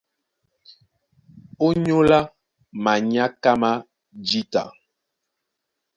Ónyólá manyáká má jǐta,